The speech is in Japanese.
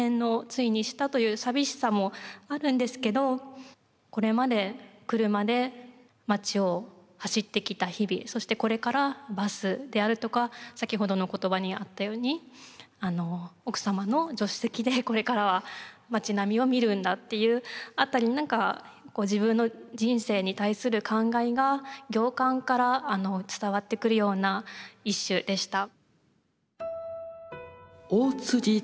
ついにしたという寂しさもあるんですけどこれまで車で町を走ってきた日々そしてこれからバスであるとか先ほどの言葉にあったように奥様の助手席でこれからは町並みを見るんだっていう辺り何か自分の人生に対する感慨が行間から伝わってくるような一首でした。